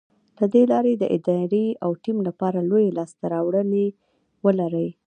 له دې لارې د ادارې او ټيم لپاره لویې لاسته راوړنې ولرئ.